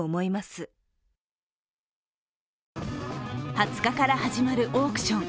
２０日から始まるオークション。